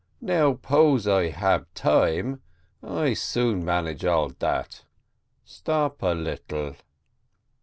Now 'pose I ab time, I soon manage all dat. Stop a little."